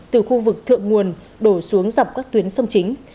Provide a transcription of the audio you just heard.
từ khu vực thượng nguồn đổ xuống dọc các tuyến sông chính